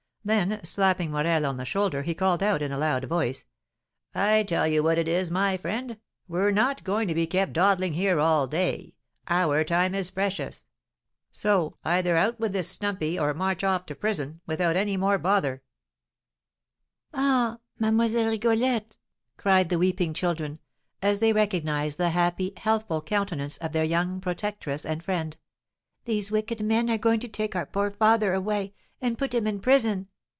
Then, slapping Morel on the shoulder, he called out in a loud voice, "I tell you what it is, my friend, we're not going to be kept dawdling here all day, our time is precious. So either out with the stumpy, or march off to prison, without any more bother!" "Prison!" exclaimed a clear, youthful voice; "take M. Morel to prison!" and a bright, beaming face appeared at the door. "Ah, Mlle. Rigolette," cried the weeping children, as they recognised the happy, healthful countenance of their young protectress and friend, "these wicked men are going to take our poor father away, and put him in prison!